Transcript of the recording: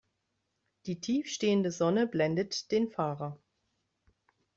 Die tief stehende Sonne blendet den Fahrer.